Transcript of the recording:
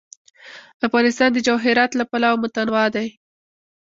افغانستان د جواهرات له پلوه متنوع دی.